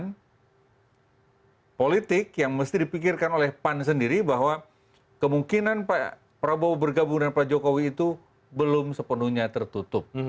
dan politik yang mesti dipikirkan oleh pan sendiri bahwa kemungkinan pak prabowo bergabung dengan pak jokowi itu belum sepenuhnya tertutup